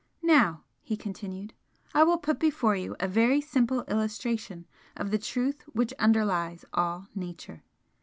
"Now" he continued "I will put before you a very simple illustration of the truth which underlies all Nature.